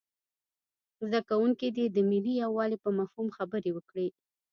زده کوونکي دې د ملي یووالي په مفهوم خبرې وکړي.